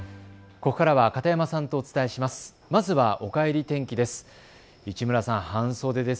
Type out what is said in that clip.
ここからは片山さんとお伝えします。